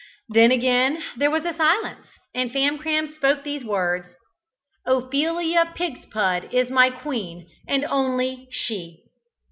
Then again there was a silence, and Famcram spoke these words: "Ophelia Pigspud is my queen, and only she."